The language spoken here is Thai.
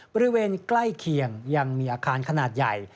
บริเวณใกล้เคียงยังมีอาคารขนาดใหญ่